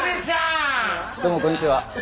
どうもこんにちは。